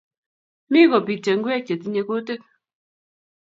Mi kopitei ngek che tinyei kutik